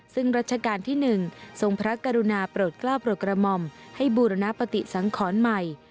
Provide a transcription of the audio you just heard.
ซึ่งรัชกาลที่๑ทรงพระกรุณาโปรดกล้าโปรดกระหม่อมให้บูรณปฏิสังขรใหม่